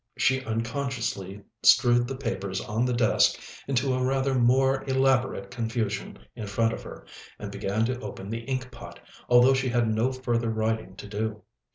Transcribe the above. She unconsciously strewed the papers on the desk into a rather more elaborate confusion in front of her, and began to open the inkpot, although she had no further writing to do.